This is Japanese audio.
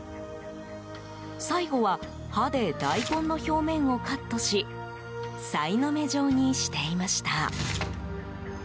最後は刃で大根の表面をカットしさいの目状にしていました。